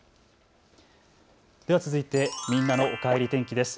では続いてみんなのおかえり天気です。